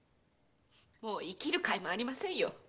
もう生きる甲斐もありませんよ。